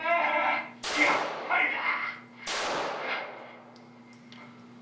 やっぱりだ。